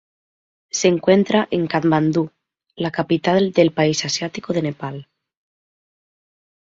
Se encuentra en Katmandú, la capital del país asiático de Nepal.